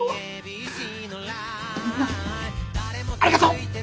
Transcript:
みんなありがとう！